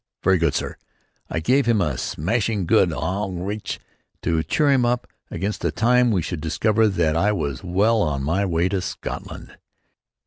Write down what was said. "Very good, sir." I gave him a smashing good Augen Rechts to cheer him up against the time he should discover that I was well on my way to Scotland.